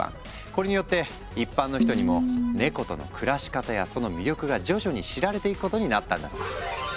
これによって一般の人にもネコとの暮らし方やその魅力が徐々に知られていくことになったんだとか。